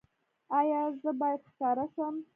ایا زه باید ښکاره شم؟